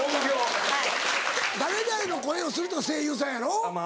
誰々の声をする人が声優さんやろ？